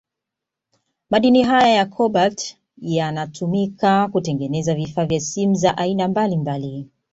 Madini haya ya Kobalt yanatuimika kutengeneza vifaa vya simu za aina mbalimbali